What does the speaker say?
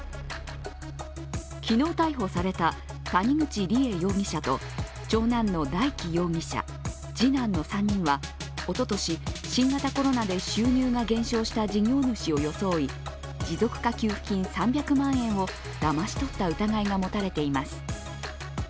昨日、逮捕された谷口梨恵容疑者と長男の大祈容疑者、次男の３人はおととし、新型コロナで収入が減少した事業主を装い持続化給付金３００万円をだまし取った疑いが持たれています。